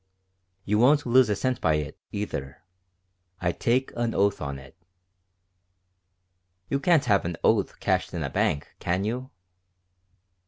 You won't lose a cent by it, either. I take an oath on it." "You can't have an oath cashed in a bank, can you?"